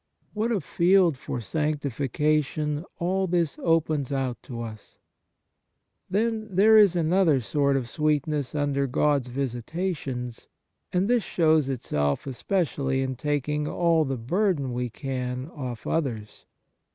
What a field for sanctification all this opens out to us ! Then there is another sort of sweetness under God's visitations, and this shows itself especially in taking all the burden we can off others.